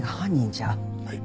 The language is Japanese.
はい。